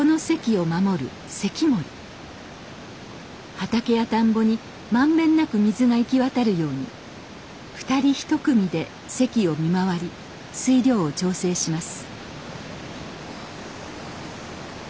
畑や田んぼに満遍なく水が行き渡るように二人一組で堰を見回り水量を調整します。